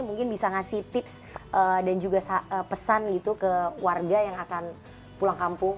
mungkin bisa ngasih tips dan juga pesan gitu ke warga yang akan pulang kampung